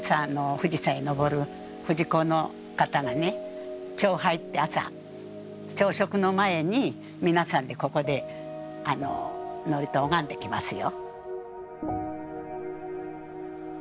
富士山に登る富士講の方が朝拝って朝朝食の前に皆さんでここで祝詞拝んできますよ。